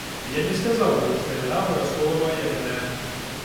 Я не сказаў бы, што яна абавязкова ваенная.